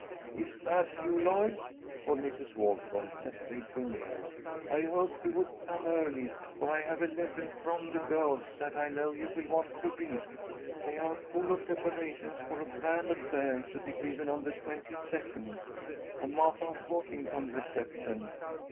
"Is that you, Lloyd?" called Mrs. Walton, as they drew nearer. "I hoped you would come early, for I have a letter from the girls that I know you will want to read. They are full of preparations for a grand affair to be given on the twenty second, a Martha Washington reception.